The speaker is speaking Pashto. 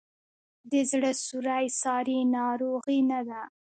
د زړه سوری ساري ناروغي نه ده.